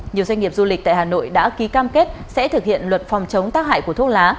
nhiều doanh nghiệp du lịch tại hà nội đã ký cam kết sẽ thực hiện luật phòng chống tác hại của thuốc lá